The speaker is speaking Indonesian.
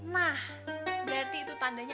nah berarti itu tandanya